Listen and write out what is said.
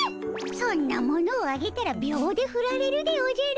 そんなものをあげたら秒でふられるでおじゃる。